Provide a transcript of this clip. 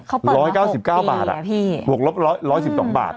เขาเปิดมา๖ปีอ่ะพี่๑๙๙บาทอ่ะบวกรบ๑๑๒บาท